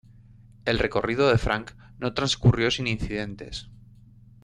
El recorrido de Frank no transcurrió sin incidentes.